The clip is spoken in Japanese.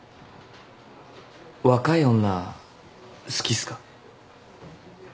若い女好きっすか？